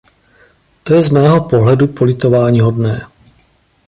To je z mého pohledu politováníhodné.